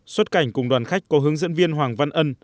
xuất cảnh cùng đoàn khách có hướng dẫn viên hoàng văn ân